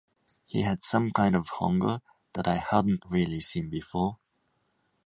He had some kind of hunger that I hadn't really seen before.